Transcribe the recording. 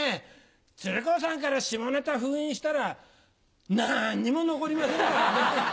鶴光さんから下ネタ封印したらなんにも残りませんからね。